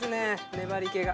粘りけが。